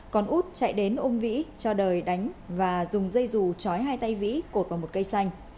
còn út chạy đến ông vĩ cho đời đánh và dùng dây dù trói hai tay vĩ cột vào một cây xanh